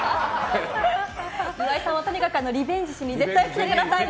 岩井さんはとにかくリベンジしに絶対来てくださいね。